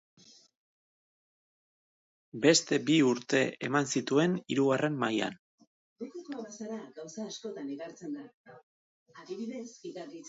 Beste bi urte eman zituen Hirugarren Mailan.